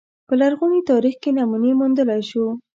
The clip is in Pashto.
په لرغوني تاریخ کې نمونې موندلای شو